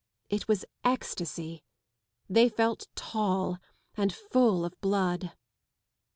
It was ecstasy ; they felt tall and full of blood.